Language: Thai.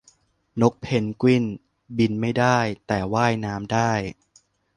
นกเพนกวินบินไม่ได้ แต่ว่ายน้ำได้